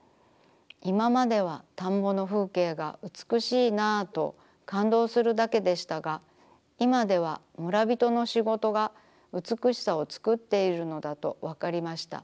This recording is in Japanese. いままでは田んぼの風景がうつくしいなあと感動するだけでしたがいまでは村びとのしごとがうつくしさをつくっているのだとわかりました。